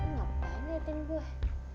ngapain ya tini boy